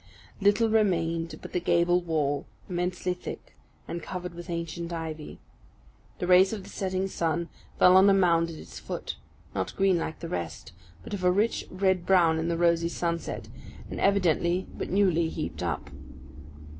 Little remained but the gable wall, immensely thick, and covered with ancient ivy. The rays of the setting sun fell on a mound at its foot, not green like the rest, but of a rich red brown in the rosy sunset, and evidently but newly heaped up.